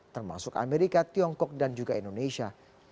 termasuk amerika tiongkok dan juga indonesia